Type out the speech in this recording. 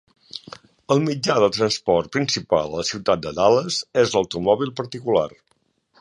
El mitjà de transport principal a la Ciutat de Dallas és l'automòbil particular.